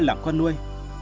làm con nuôi